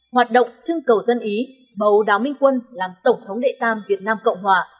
hoạt động trưng cầu dân ý bầu đào minh quân làm tổng thống đệ tam việt nam cộng hòa